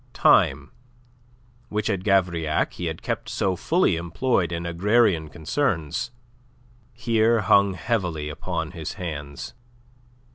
Time, which at Gavrillac he had kept so fully employed in agrarian concerns, here hung heavily upon his hands.